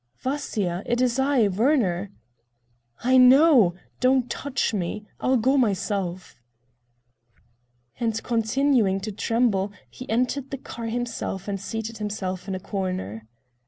"Vasya, it is I, Werner." "I know. Don't touch me. I'll go myself." And continuing to tremble he entered the car himself and seated himself in a corner.